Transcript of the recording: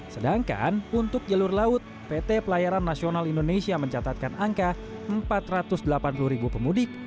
sedangkan untuk jalur laut pt pelayaran nasional indonesia mencatatkan angka empat ratus delapan puluh ribu pemudik